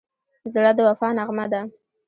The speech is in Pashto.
زړه د وفا نغمه ده.